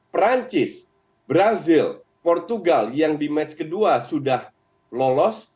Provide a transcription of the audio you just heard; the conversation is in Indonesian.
perancis brazil portugal yang di match kedua sudah lolos